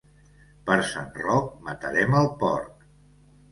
Per Sant Roc matarem el porc.